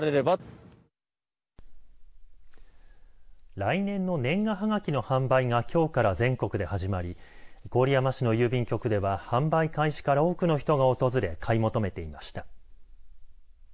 来年の年賀はがきの販売がきょうから全国で始まり郡山市の郵便局では販売開始から多くの人が訪れ買い求めていました。